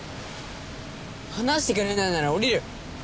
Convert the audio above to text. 話してくれないなら降りる。